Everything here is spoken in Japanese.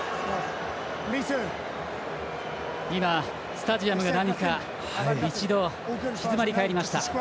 スタジアムが何か、一度静まり返りました。